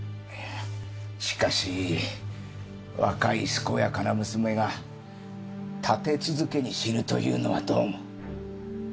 いやしかし若い健やかな娘が立て続けに死ぬというのはどうも。